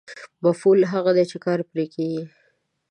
مفعول هغه دی چې کار پرې کېږي.